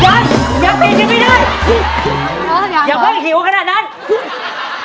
ย้ายยยยากตีนยิ่งไม่ได้